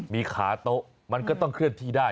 มีขาโต๊ะมันก็ต้องเคลื่อนที่ได้